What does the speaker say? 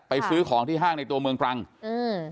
ซื้อของที่ห้างในตัวเมืองตรังอืม